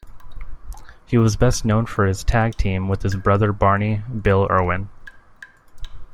He was best known for his tag team with his brother Barney "Bill" Irwin.